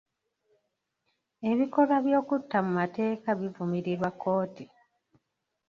Ebikolwa by'okutta mu mateeka bivumirirwa kkooti.